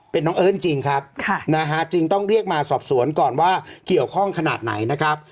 เป็นน้องเอิ้นจริงครับนะฮะจึงต้องเรียกมาสอบสวนก่อนว่าเกี่ยวข้องขนาดไหนนะครับ